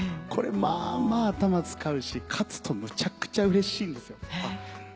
これまあまあ頭使うし勝つとむちゃくちゃうれしいんですよ。